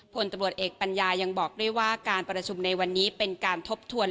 ผลตำรวจเอกปัญญายังบอกด้วยว่าการประชุมในวันนี้เป็นการทบทวน